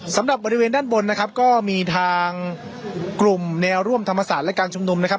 สำหรับบริเวณด้านบนนะครับก็มีทางกลุ่มแนวร่วมธรรมศาสตร์และการชุมนุมนะครับ